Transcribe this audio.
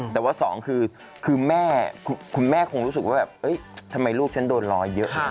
แต่ว่าสองคือแม่คุณแม่คงรู้สึกว่าแบบทำไมลูกฉันโดนล้อเยอะ